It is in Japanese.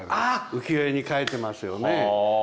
浮世絵に描いてますよね。